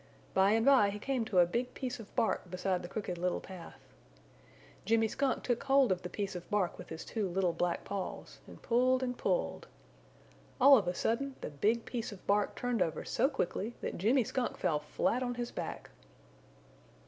By and by he came to a big piece of bark beside the Crooked Little Path. Jimmy Skunk took hold of the piece of bark with his two little black paws and pulled and pulled. All of a sudden, the big piece of bark turned over so quickly that Jimmy Skunk fell flat on his back.